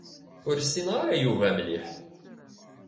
Ur ssineɣ ara Yuba mliḥ.